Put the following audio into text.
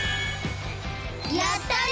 やったね！